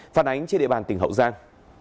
phát ánh trên địa bàn tỉnh hậu giang